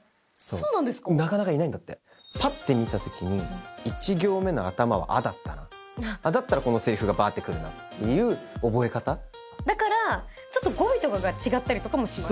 そうなかなかいないんだってパッて見たときに１行目の頭は「あ」だったなだったらこのセリフがバーッてくるなっていう覚え方だからちょっと語尾とかが違ったりとかもします